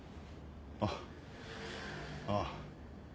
あっああ。